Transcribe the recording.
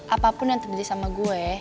apapun yang terjadi sama gue